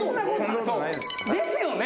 ですよね？